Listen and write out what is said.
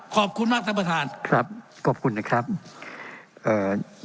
ขอบคุณมากท่านประธานครับขอบคุณนะครับเอ่อ